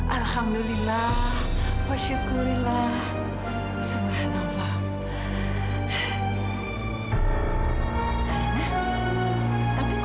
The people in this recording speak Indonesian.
alhamdulillah wa syukurillah subhanallah